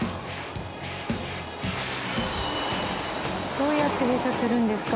どうやって閉鎖するんですか？